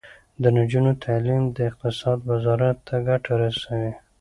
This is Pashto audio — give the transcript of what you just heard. د نجونو تعلیم د اقتصاد وزارت ته ګټه رسوي.